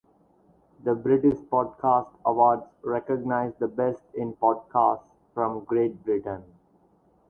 The British Podcast Awards recognise the best in podcasts from Great Britain.